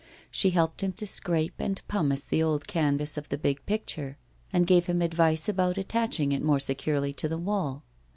She helped him to scrape and pumice the old canvas of the big picture, and gave him advice about attaching it more securely to the wall.